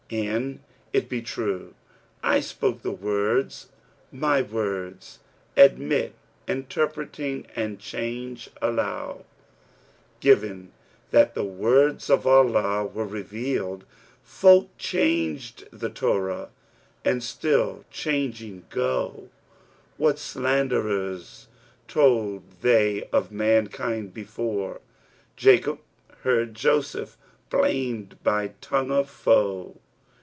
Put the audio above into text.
An it be true I spoke the words, my words * Admit interpreting and change allow: Given that the words of Allah were revealed, * Folk changed the Torah[FN#335] and still changing go: What slanders told they of mankind before! * Jacob heard Joseph blamed by tongue of foe.